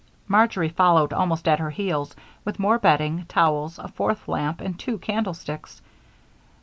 Marjory followed almost at her heels with more bedding, towels, a fourth lamp, and two candlesticks.